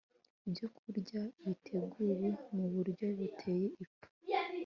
Ibyokurya Biteguwe mu Buryo Buteye Ipfa